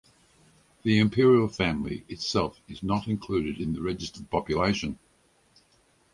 The Imperial family itself is not included in the registered population.